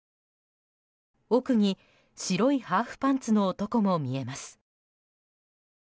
奥に、白いハーフパンツの男も見えます。